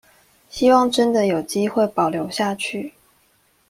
希望真的有機會保留下去